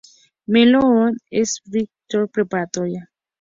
Menlo-Atherton es una High School preparatoria.